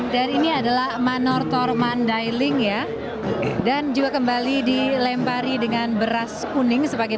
ini adalah manortor mandailing ya dan juga kembali dilempari dengan beras kuning sebagai